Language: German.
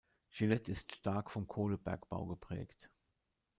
Gillette ist stark vom Kohlebergbau geprägt.